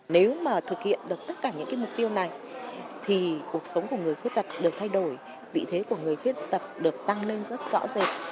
nếu mà thực hiện được tất cả những mục tiêu này thì cuộc sống của người khuyết tật được thay đổi vị thế của người khuyết tật được tăng lên rất rõ rệt